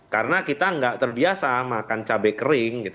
karena kita nggak terbiasa makan cabai kering